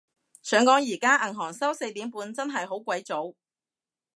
想講而家銀行收四點半，真係好鬼早